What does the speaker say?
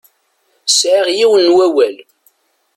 Sɛiɣ yiwen n wawal.